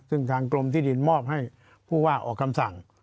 ซึ่งทางกรมที่ดินมอบให้ผู้ว่าออกคำสั่ง